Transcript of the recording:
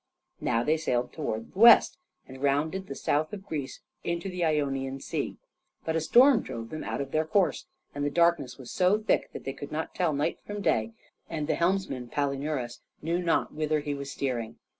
Now they sailed towards the west, and rounded the south of Greece into the Ionian Sea. But a storm drove them out of their course, and the darkness was so thick that they could not tell night from day, and the helmsman, Palinurus, knew not whither he was steering.